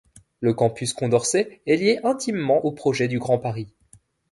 Le Campus Condorcet est lié intimement au projet du Grand Paris.